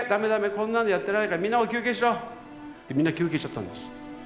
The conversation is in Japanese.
こんなのやってられないからみんなも休憩しろ」ってみんな休憩しちゃったんです。